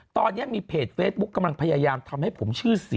ตอนนี้มีเพจเฟซบุ๊คกำลังพยายามทำให้ผมชื่อเสีย